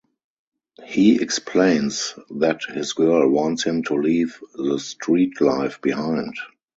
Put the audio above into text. He explains that his girl wants him to leave the street life behind.